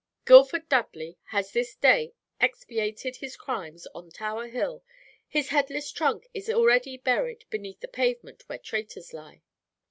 Guildford Dudley has this day expiated his crimes on Tower Hill. His headless trunk is already buried beneath the pavement where traitors lie.'